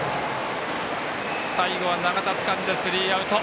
最後は長田がつかんでスリーアウト。